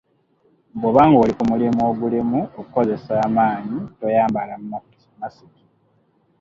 Bw’oba ng’oli ku mulimu ogulimu okukozesa amaanyi toyambala makisiki.